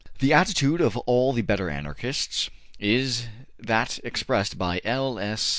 The attitude of all the better Anarchists is that expressed by L. S.